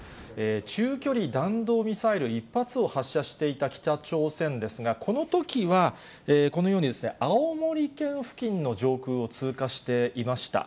中距離弾道ミサイル１発を発射していた北朝鮮ですが、このときは、このように青森県付近の上空を通過していました。